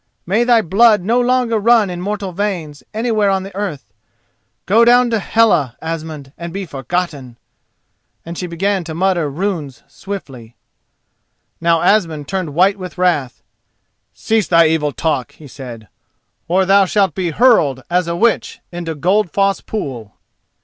May thy blood no longer run in mortal veins anywhere on the earth! Go down to Hela, Asmund, and be forgotten!" and she began to mutter runes swiftly. Now Asmund turned white with wrath. "Cease thy evil talk," he said, "or thou shalt be hurled as a witch into Goldfoss pool."